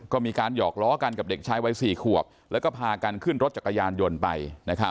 ก็มีการหยอกล้อกันกับเด็กชายวัย๔ขวบแล้วก็พากันขึ้นรถจักรยานยนต์ไป